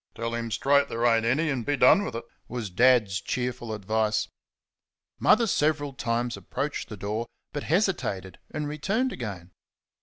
"Tell him straight there ain't any, an' be done with it," was Dad's cheerful advice. Mother several times approached the door, but hesitated and returned again.